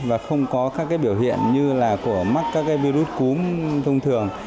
và không có các biểu hiện như là của mắc các virus cúm thông thường